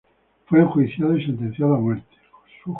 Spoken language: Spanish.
Fue enjuiciado y sentenciado a muerte.